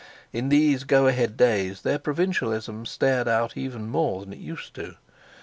In these go ahead days their provincialism stared out even more than it used to.